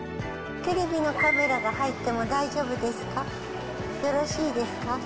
テレビのカメラが入っても大丈夫ですか。